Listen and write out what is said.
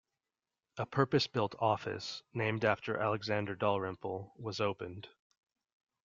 A purpose-built office, named after Alexander Dalrymple, was opened.